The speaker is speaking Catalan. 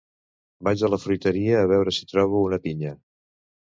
Vaig a la fruiteria a veure si trobo una pinya